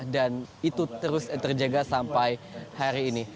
dan itu terus terjaga sampai hari ini